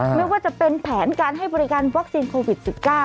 ไม่ว่าจะเป็นแผนการให้บริการวัคซีนโควิด๑๙